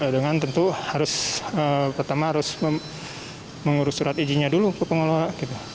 dengan tentu harus pertama harus mengurus surat izinnya dulu ke pengelola kita